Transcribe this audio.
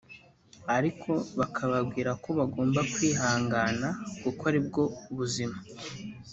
ariko bakababwira ko bagomba kwihangana kuko aribwo buzima